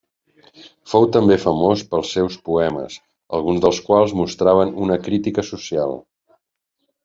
Fou també famós pels seus poemes, alguns dels quals mostraven una crítica social.